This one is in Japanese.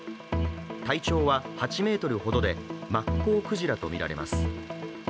体長は８ｍほどでマッコウクジラとみられます。